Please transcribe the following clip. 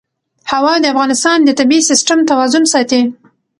هوا د افغانستان د طبعي سیسټم توازن ساتي.